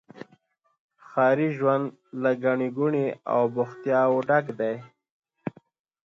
ښاري ژوند له ګڼي ګوڼي او بوختياوو ډک دی.